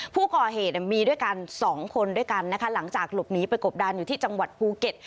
ผู้ก่อเหตุมีด้วยกันสองคนด้วยกันนะคะหลังจากหลบหนีไปกบดานอยู่ที่จังหวัดภูเก็ต